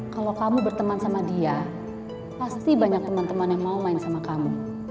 kalau kamu berteman sama dia pasti banyak teman teman yang mau main sama kamu